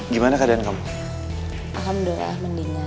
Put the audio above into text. gimana keadaan kamu alhamdulillah mendingan